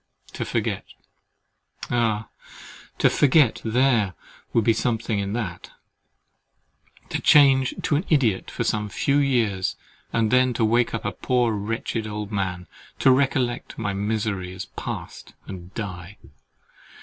To forget, ah! to forget—there would be something in that—to change to an idiot for some few years, and then to wake up a poor wretched old man, to recollect my misery as past, and die!